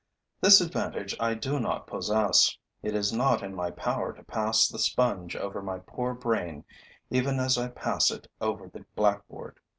This advantage I do not possess. It is not in my power to pass the sponge over my poor brain even as I pass it over the blackboard.